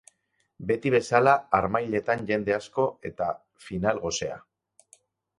Beti bezala harmailetan jende asko eta final gosea.